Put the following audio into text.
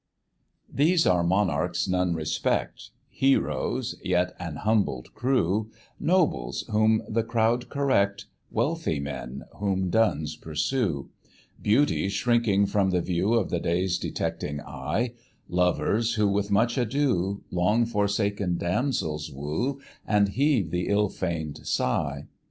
These are monarchs none respect, Heroes, yet an humbled crew, Nobles, whom the crowd correct, Wealthy men, whom duns pursue; Beauties shrinking from the view Of the day's detecting eye; Lovers, who with much ado Long forsaken damsels woo, And heave the ill feign'd sigh.